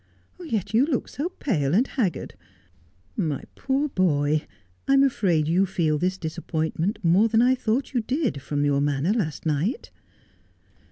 ' Yet you look so pale and haggard. My poor boy, I'm afraid you feel this disappointment more than I thought you did from your manner last night.'